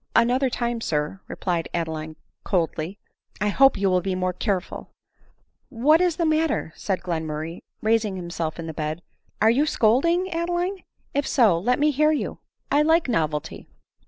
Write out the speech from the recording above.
" Another time, sir," replied Adeline coldly, " I hope you will be more careful" " What is the matter ?" said Glenmurray, raising him self in the bed. " Are you scolding, Adeline ? If so, let me hear you ; I like novelty."